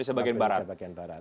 di jam tiga